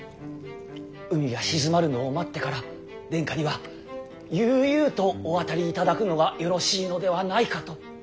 海が静まるのを待ってから殿下には悠々とお渡りいただくのがよろしいのではないかと。